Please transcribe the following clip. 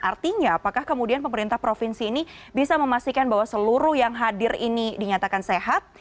artinya apakah kemudian pemerintah provinsi ini bisa memastikan bahwa seluruh yang hadir ini dinyatakan sehat